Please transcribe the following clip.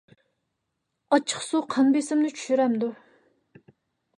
ئاچچىق سۇ قان بېسىمنى چۈشۈرەمدۇ؟